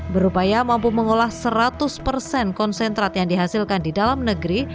berupaya mampu mengolah seratus persen konsentrat yang dihasilkan di dalam negeri